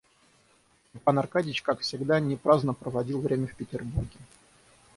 Степан Аркадьич, как к всегда, не праздно проводил время в Петербурге.